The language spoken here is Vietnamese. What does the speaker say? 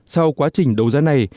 sau quá trình đấu giá này